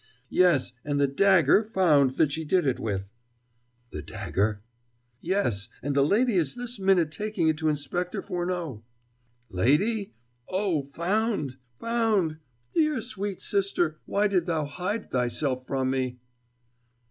"Yes, and the dagger found that she did it with " "The dagger?" "Yes, and the lady is this minute taking it to Inspector Furneaux " "Lady? Oh, found! found! dear, sweet sister, why didst thou hide thyself from me?"